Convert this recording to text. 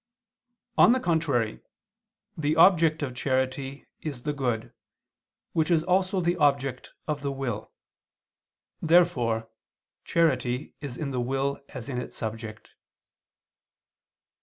On the contrary, The object of charity is the good, which is also the object of the will. Therefore charity is in the will as its subject.